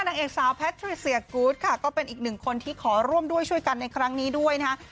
นางเอกสาวแพทริเซียกูธค่ะก็เป็นอีกหนึ่งคนที่ขอร่วมด้วยช่วยกันในครั้งนี้ด้วยนะฮะ